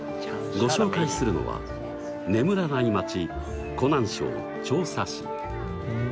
ご紹介するのは眠らない街湖南省長沙市。